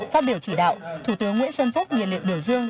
phát biểu chỉ đạo thủ tướng nguyễn xuân phúc nhiệm liệu điều dương